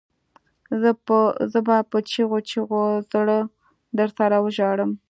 زه به په چیغو چیغو زړه درسره وژړوم